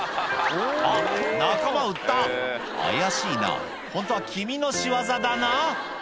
あっ仲間売った怪しいなホントは君の仕業だな？